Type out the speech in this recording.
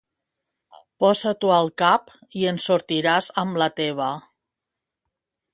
Posa-t'ho al cap i en sortiràs amb la teva.